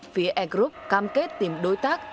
phía air group cam kết tìm đối tác